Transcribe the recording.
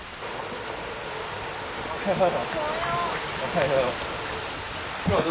おはよう。